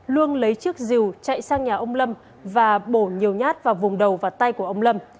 luông lấy chiếc dìu chạy sang nhà ông lâm và bổ nhiều nhát vào vùng đầu và tay của ông lâm